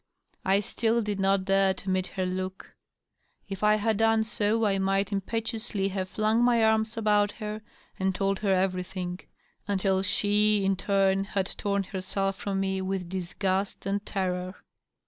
I still did not dare to meet her look. If I had done so, I might impetuously have flung my arms about her and told her everything — ^until she, in turn, had torn herself from me with disgust and terror.